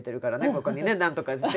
「ここにねなんとかして」。